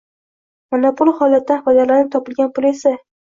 Monopol holatdan foydalanib topilgan pul esa